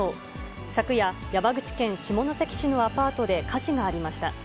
昨夜、山口県下関市のアパートで火事がありました。